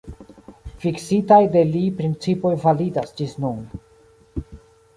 Fiksitaj de li principoj validas ĝis nun.